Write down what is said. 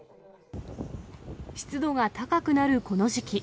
湿度が高くなるこの時期。